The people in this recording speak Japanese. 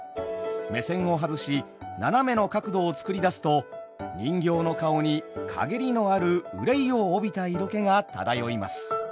目線を外し斜めの角度を作り出すと人形の顔に陰りのある憂いを帯びた色気が漂います。